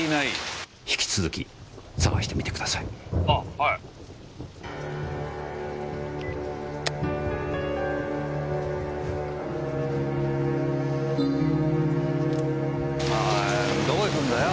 おいどこ行くんだよ？